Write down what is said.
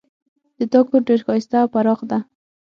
د تا کور ډېر ښایسته او پراخ ده